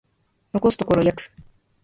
残すところ約